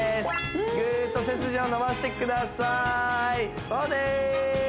ぐーっと背筋を伸ばしてくださいそうです